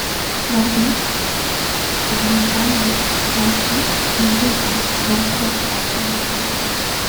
Mordu par une femme-vampire, il devient vampire à son tour.